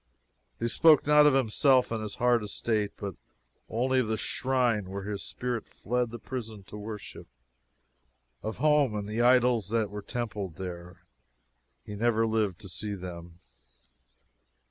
These spoke not of himself and his hard estate, but only of the shrine where his spirit fled the prison to worship of home and the idols that were templed there. He never lived to see them.